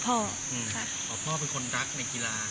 พ่อเป็นคนที่รักในกีฬา